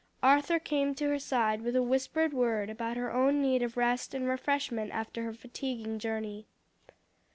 Arthur came to her side with a whispered word about her own need of rest and refreshment after her fatiguing journey.